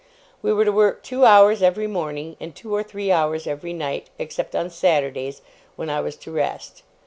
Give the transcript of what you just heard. We were to work two hours every morning, and two or three hours every night, except on Saturdays, when I was to rest.